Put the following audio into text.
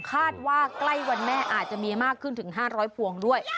คาดว่าใกล้วันแม่อาจจะมีมากขึ้นถึง๕๐๐พวงด้วย